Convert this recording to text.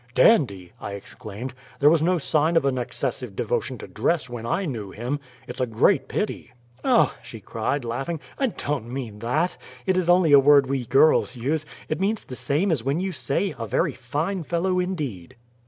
"Dandy!" I exclaimed. "There was no sign of an excessive devotion to dress when I knew him. It's a great pity!" "Oh!" she cried, laughing, "I don't mean THAT. It is only a word we girls use; it means the same as when you say, 'A VERY FINE FELLOW INDEED."'